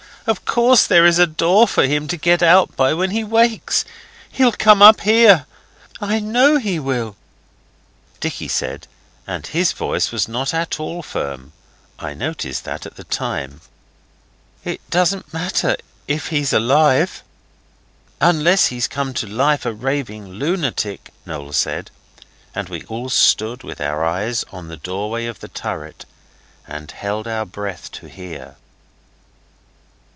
Of course there is a door for him to get out by when he wakes. He'll come up here. I know he will.' Dicky said, and his voice was not at all firm (I noticed that at the time), 'It doesn't matter, if he's ALIVE.' 'Unless he's come to life a raving lunatic,' Noel said, and we all stood with our eyes on the doorway of the turret and held our breath to hear.